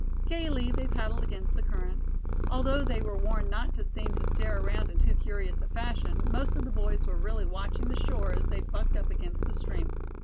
Gaily they paddled against the current. Although they were warned not to seem to stare around in too curious a fashion, most of the boys were really watching the shore as they bucked up against the stream.